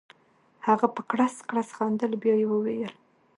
هغه په کړس کړس خندل بیا یې وویل.